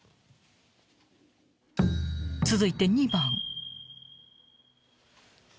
［続いて２番］